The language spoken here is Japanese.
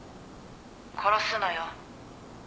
殺すのよ」